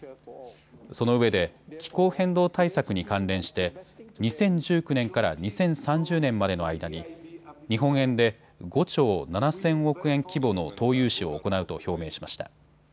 そのうえで気候変動対策に関連して２０１９年から２０３０年までの間に日本円で５兆７０００億円規模の投融資を行うと表明しました。